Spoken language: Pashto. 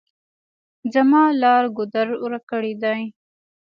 زما لار ګودر ورک کړي دي.